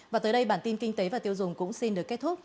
và tới đây bản tin kinh tế và tiêu dùng cũng xin được kết thúc